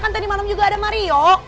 kan tadi malam juga ada mario